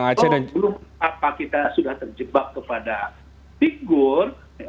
kalau belum apa apa kita sudah terjebak kepada figur